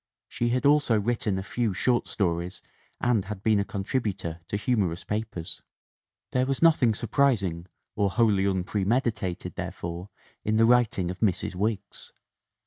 She had also written a few short stories and had been a contributor to humorous papers. There was nothing surprising or wholly unpre meditated therefore in the writing of Mrs. Wiggs.